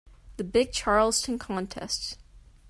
The big Charleston contest.